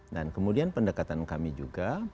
dan kemudian pendekatan kami juga